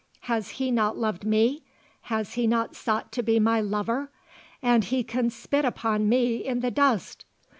Has he not loved me? Has he not sought to be my lover? And he can spit upon me in the dust!"